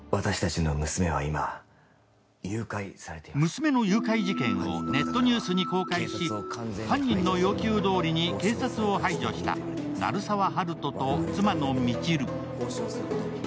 娘の誘拐事件をネットニュースに公開し、犯人の要求どおりに警察を排除した鳴沢温人と妻の未知留。